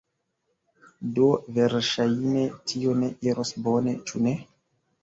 Do verŝajne, tio ne iros bone, ĉu ne?